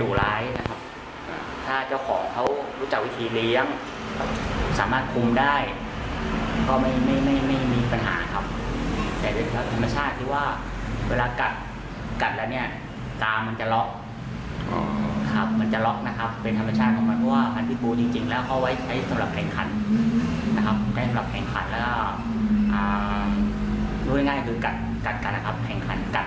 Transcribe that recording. ดูง่ายคือกัดกันนะครับแห่งพันธุ์กัดกัน